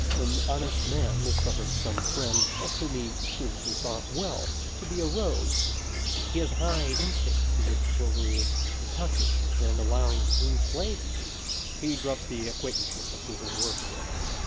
An honest man discovers some friend, of whom he had pre viously thought well, to be a rogue. He has certain high instincts to which roguery is repugnant; and allowing free play to these, he drops the acquaintanceship of this unworthy one.